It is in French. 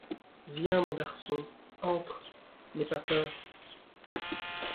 Viens, mon garçon, entre, n’aie pas peur !